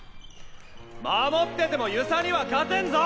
守ってても遊佐には勝てんぞ！